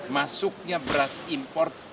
masuknya beras impor tidak berhasil